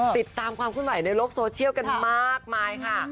ติดตามความขึ้นไหวในโลกโซเชียลกันมากมายค่ะ